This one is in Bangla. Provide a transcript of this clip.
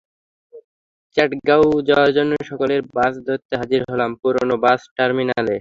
চাঁটগাও যাওয়ার জন্য সকালের বাস ধরতে হাজির হলাম পুরনো বাস টার্মিনালে।